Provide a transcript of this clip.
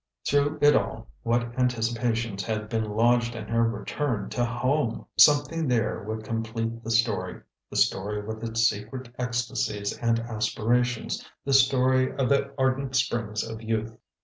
Through it all what anticipations had been lodged in her return to Home! Something there would complete the story the story with its secret ecstasies and aspirations the story of the ardent springs of youth.